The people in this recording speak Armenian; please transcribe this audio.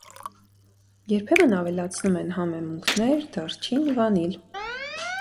Երբեմն ավելացնում են համեմունքներ, դարչին, վանիլ։